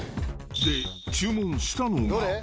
で、注文したのが。